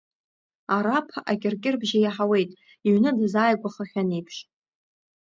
Араԥ акьыркьырбжьы иаҳауеит, иҩны дазааигәахахьан еиԥш.